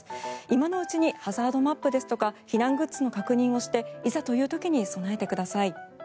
今のうちにハザードマップですとか避難グッズの確認をしていざという時に備えてください。